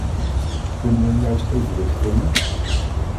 Kunnen we een juist evenwicht vinden?